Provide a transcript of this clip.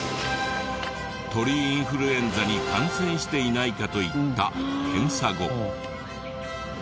鳥インフルエンザに感染していないかといった検査後。